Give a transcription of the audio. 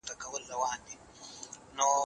په لاس خط لیکل د رسمي اسنادو لپاره مهم دي.